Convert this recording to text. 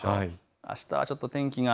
あしたはちょっと天気が。